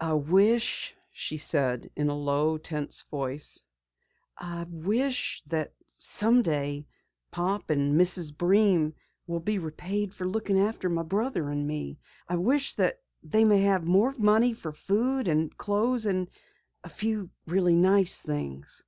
"I wish " she said in a low, tense voice "I wish that some day Pop and Mrs. Breen will be repaid for looking after my brother and me. I wish that they may have more money for food and clothes and a few really nice things."